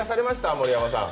盛山さん。